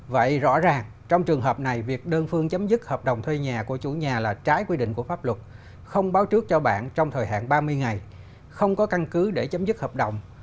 vậy rõ ràng trong trường hợp này việc đơn phương chấm dứt hợp đồng thuê nhà của chủ nhà là trái quy định của pháp luật không báo trước cho bạn trong thời hạn ba mươi ngày không có căn cứ để chấm dứt hợp đồng